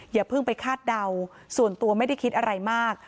อย่าเพิ่งไปคาดเดาส่วนตัวไม่ได้คิดอะไรมาก